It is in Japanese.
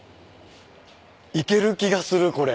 いける気がするこれ。